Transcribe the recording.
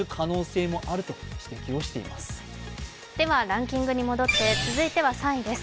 ランキングに戻って続いては３位です。